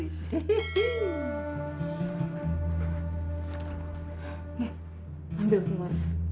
nih ambil semua